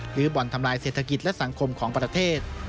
บ่อนทำลายเศรษฐกิจและสังคมของประเทศ